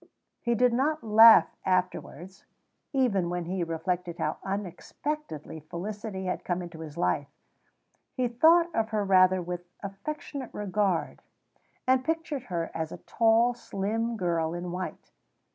He did not laugh afterwards, even when he reflected how unexpectedly Felicity had come into his life; he thought of her rather with affectionate regard, and pictured her as a tall, slim girl in white.